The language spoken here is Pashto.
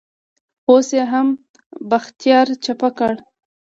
اوس يې هم بختيار چپه کړ.